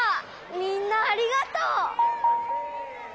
みんなありがとう。